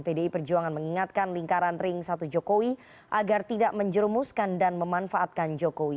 pdi perjuangan mengingatkan lingkaran ring satu jokowi agar tidak menjerumuskan dan memanfaatkan jokowi